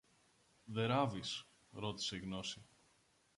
Δε ράβεις; ρώτησε η Γνώση.